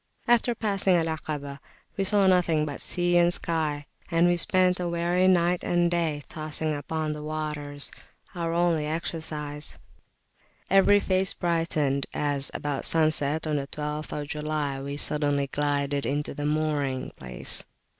After passing Al 'Akabah, we saw nothing but sea and sky, and we spent a weary night and day tossing upon the waters, our only exercise; every face brightened as, about sunset on the 12th July, we suddenly glided into the mooring place.